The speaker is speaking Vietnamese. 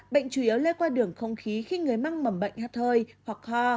bệnh chủ yếu lê qua đường không khí khi người măng mầm bệnh hắt hơi hoặc ho